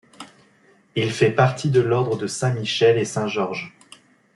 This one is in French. Il fait partie de l'Ordre de Saint-Michel et Saint-Georges.